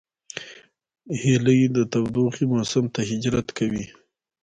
هیلۍ د تودوخې موسم ته هجرت کوي